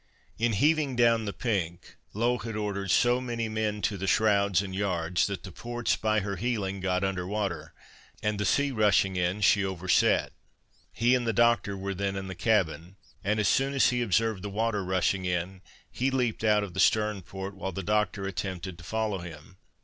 In heaving down the pink, Low had ordered so many men to the shrouds and yards, that the ports, by her heeling, got under water, and the sea rushing in, she overset: he and the doctor were then in the cabin, and as soon as he observed the water gushing in, he leaped out of the stern port, while the doctor attempted to follow him.